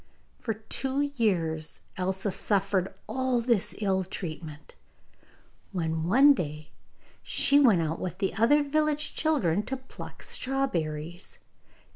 For two years Elsa suffered all this ill treatment, when one day she went out with the other village children to pluck strawberries.